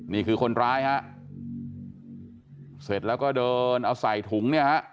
นี่คือคนร้ายฮะเสร็จแล้วก็เดินเอาใส่ถุงเนี่ยฮะ